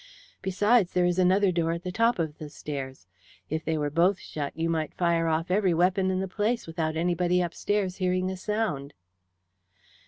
"Besides, there is another door at the top of the steps. If they were both shut you might fire off every weapon in the place without anybody upstairs hearing a sound."